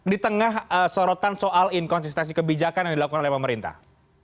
di tengah sorotan soal inkonsistensi kebijakan yang dilakukan oleh pemerintah